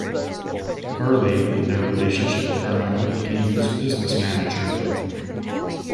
Early in their relationship, Carmichael became his business manager.